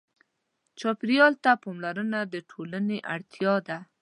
چاپېریال ته پاملرنه د ټولنې اړتیا ده.